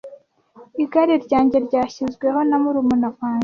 Igare ryanjye ryashyizweho na murumuna wanjye.